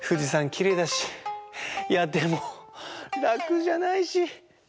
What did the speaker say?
きれいだしいやでもらくじゃないし。